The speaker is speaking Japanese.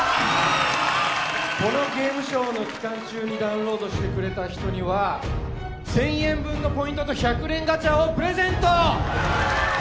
このゲームショーの期間中にダウンロードしてくれた人には１０００円分のポイントと１００連ガチャをプレゼント！